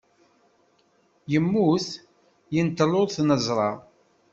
Yemmut, yenṭel ur t-neẓra.